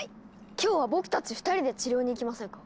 今日は僕たち２人で治療に行きませんか？